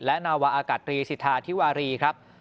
และนาวาอากาศรีสิทธาธิวารีครับ